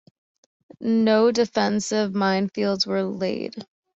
No defensive minefields were laid.